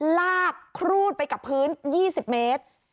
รากครูดไปกับพื้นยี่สิบเมตร